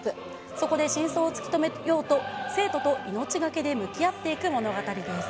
そこで真相を突き止めようと、生徒と命懸けで向き合っていく物語です。